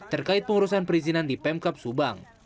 terkait pengurusan perizinan di pemkap subang